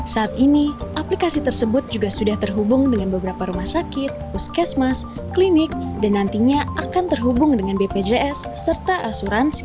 saat ini aplikasi tersebut juga sudah terhubung dengan beberapa rumah sakit puskesmas klinik dan nantinya akan terhubung dengan bpjs serta asuransi